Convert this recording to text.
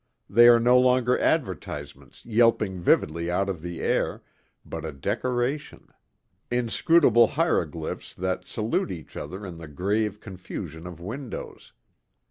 They are no longer advertisements yelping vividly out of the air, but a decoration. Inscrutable hieroglyphs that salute each other in the grave confusion of windows.